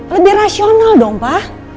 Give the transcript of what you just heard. lebih rasional dong pa